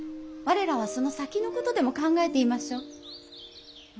我らはその先のことでも考えていましょう。